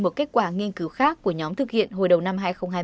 một kết quả nghiên cứu khác của nhóm thực hiện hồi đầu năm hai nghìn hai mươi